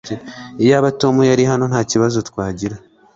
Iyaba Tom yari hano, ntakibazo twagira.